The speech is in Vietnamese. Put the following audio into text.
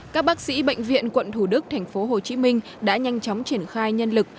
các bác sĩ bệnh viện quận thủ đức tp hcm đã nhanh chóng triển khai nhân lực